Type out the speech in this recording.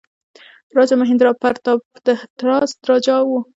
راجا مهیندراپراتاپ د هتراس راجا وو.